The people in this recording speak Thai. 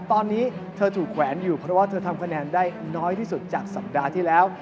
ตอนนี้เธอถูกแขวนอยู่เพราะว่าเธอทำคะแนนได้น้อยที่สุดจากสัปดาห์ที่แล้ว